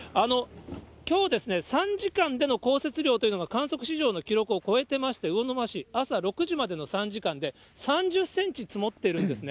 きょう３時間での降雪量というのが、観測史上の記録を超えてまして、魚沼市、朝６時までの３時間で３０センチ積もっているんですね。